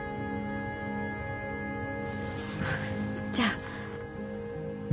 じゃあ。